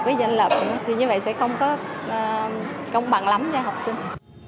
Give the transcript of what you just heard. với danh lập thì như vậy sẽ không có công bằng lắm cho học sinh